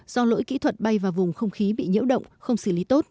do lỗi kỹ thuật bay vào vùng không khí bị nhiễu động không xử lý tốt